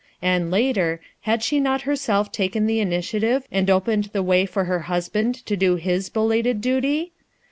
And later, had she not herself taken the initiative and opened the way for her husband to do his belated duty?